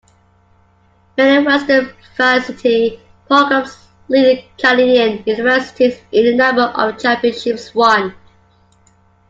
Many Western varsity programs lead Canadian universities in the number of championships won.